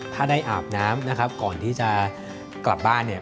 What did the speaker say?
ถ้าได้อาบน้ำนะครับก่อนที่จะกลับบ้านเนี่ย